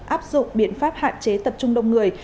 áp dụng biện pháp hạn chế tập trung đông người